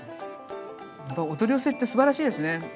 やっぱお取り寄せってすばらしいですね。